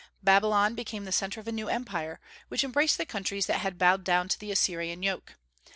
Babylon became the centre of a new empire, which embraced the countries that had bowed down to the Assyrian yoke.